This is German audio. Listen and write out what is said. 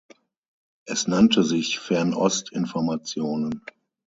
Es nannte sich "Fernost Informationen".